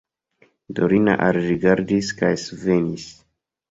Dorina alrigardis kaj svenis.